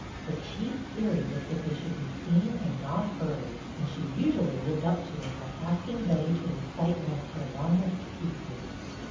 Her chief theory was that they should be seen and not heard, and she usu ally lived up to it by asking Betty to recite one of her longest " pieces."